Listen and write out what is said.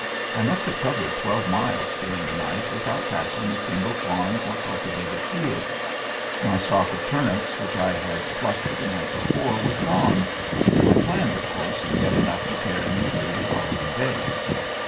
I must have covered twelve miles during the night without passing a single farm or cultivated field. My stock of turnips which I had plucked the night before was gone and I planned, of course, to get enough to carry me through the following day.